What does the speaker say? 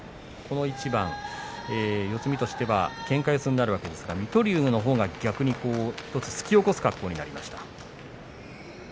この一番、四つ身としてはけんか四つになるわけですが水戸龍のほうが逆に突き起こす格好になりました。